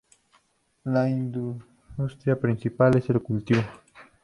La industria principal es el cultivo.